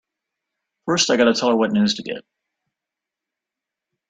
First I gotta tell her what news to get!